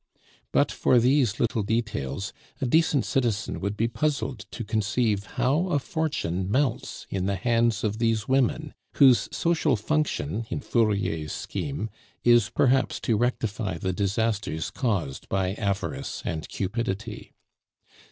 But for these little details, a decent citizen would be puzzled to conceive how a fortune melts in the hands of these women, whose social function, in Fourier's scheme, is perhaps to rectify the disasters caused by avarice and cupidity.